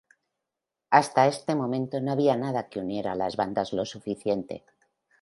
Hasta este momento no había nada que uniera a las bandas lo suficiente.